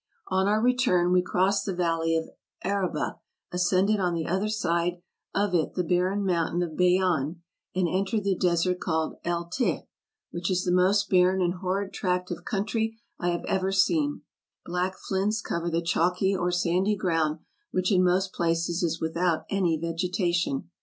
On our return we crossed the valley of Araba, ascended on the other side of it the barren mountain of Beyane, and entered the desert called El Tih, which is the most barren and horrid tract of country I have ever seen; black flints cover the chalky or sandy ground, which in most places is without any vegetation.